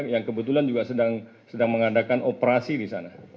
yang kebetulan juga sedang mengadakan operasi di sana